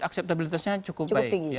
akseptabilitasnya cukup tinggi